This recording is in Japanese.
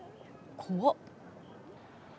怖っ。